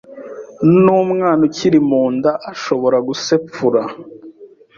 n’umwana ukiri mu nda ashobora gusepfura.